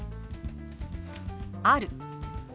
「ある」。